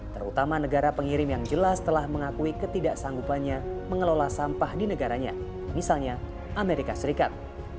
terutama negara pengirim yang jelas telah mengakui ketidaksanggupannya mengelola sampah di negaranya misalnya amerika serikat